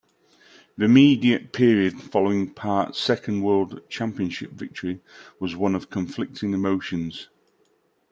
The immediate period following Part's second world championship victory was one of conflicting emotions.